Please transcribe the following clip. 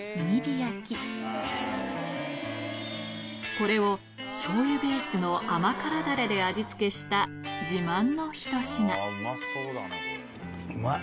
これをしょうゆベースの甘辛ダレで味付けした自慢の一品うまそうだ